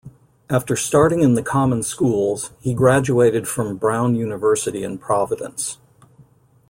After starting in the common schools, he graduated from Brown University in Providence.